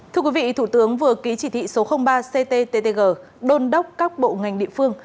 thưa quý vị thủ tướng vừa ký chỉ thị số ba cttg đôn đốc các bộ ngành địa phương